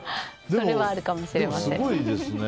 それもあるかもしれません。